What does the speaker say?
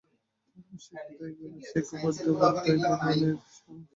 তার পর সে কোথায় গেল সে খবর দেওয়ার দায় ভুবনের নয়।